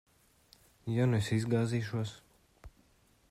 Ja nu es izgāzīšos?